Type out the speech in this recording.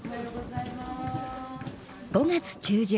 ５月中旬。